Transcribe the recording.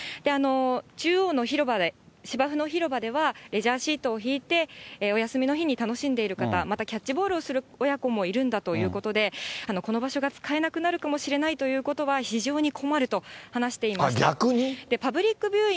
中央の広場で、芝生の広場では、レジャーシートを敷いて、お休みの日に楽しんでいる方、またキャッチボールをする親子もいるんだということで、この場所が使えなくなるかもしれないということは非常に困ると話逆に。